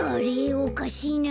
おかしいなあ。